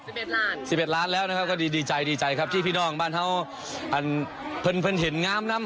สิบเอ็ดล้านสิบเอ็ดล้านสิบเอ็ดล้านแล้วนะครับก็ดีดีใจดีใจครับที่พี่น้องบ้านเฮาอันพันธุ์เห็นงามน้ำ